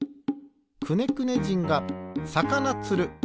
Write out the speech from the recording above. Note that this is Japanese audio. くねくね人がさかなつる。